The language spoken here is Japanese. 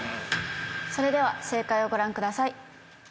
それでは正解をご覧ください。